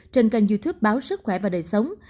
trên kênh youtube báo sức khỏe và đời sống